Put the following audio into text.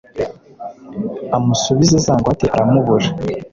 amusubize za ngwate aramubura